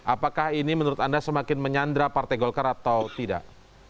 apakah ini menurut anda semakin menyandra partai golkar atau tidak